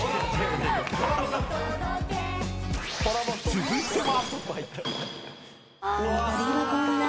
［続いては］